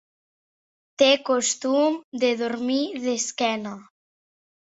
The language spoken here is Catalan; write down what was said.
Té costum de dormir d'esquena.